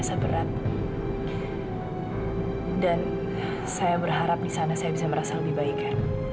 saya berharap di sana saya bisa merasa lebih baik